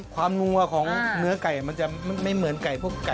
นัวของเนื้อไก่มันจะไม่เหมือนไก่พวกไก่